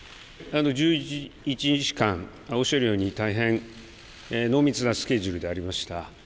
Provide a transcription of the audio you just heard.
１１日間、おっしゃるように、大変濃密なスケジュールでありました。